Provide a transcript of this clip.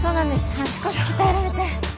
足腰鍛えられて。